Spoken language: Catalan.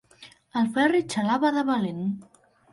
El Ferri xalava de valent.